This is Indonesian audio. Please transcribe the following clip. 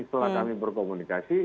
setelah kami berkomunikasi